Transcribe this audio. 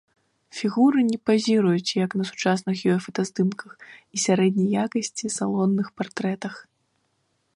Фігуры не пазіруюць як на сучасных ёй фотаздымках і сярэдняй якасці салонных партрэтах.